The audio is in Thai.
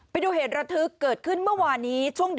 ไปดูเหตุระทึกเกิดขึ้นเมื่อวานนี้ช่วงดึ